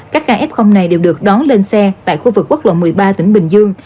các ca f này đều được đón lên xe tại khu vực quốc lộ một mươi ba tỉnh bình dương